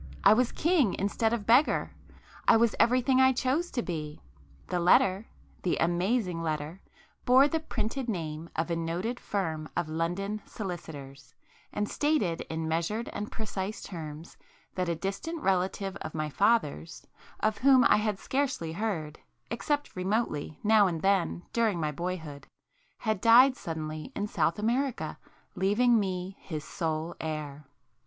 —I was king instead of beggar;—I was everything I chose to be! The letter,—the amazing letter, bore the printed name of a noted firm of London solicitors, and stated in measured and precise terms that a distant relative of my father's, of whom I had scarcely heard, except remotely now and then during my boyhood, had died suddenly in South America, leaving me his sole heir.